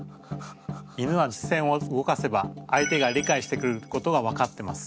犬は視線を動かせば相手が理解してくれることが分かってます。